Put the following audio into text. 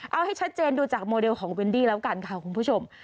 เอาให้ชัดเจนดูจากโมเดลของวินดี้แล้วกันค่ะคุณผู้ชม